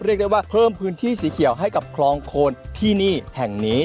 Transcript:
เรียกได้ว่าเพิ่มพื้นที่สีเขียวให้กับคลองโคนที่นี่แห่งนี้